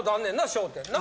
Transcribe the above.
『笑点』な。